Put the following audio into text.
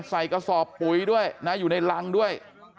ใส่กระสอบปุ๋ยด้วยนะอยู่ในรังด้วย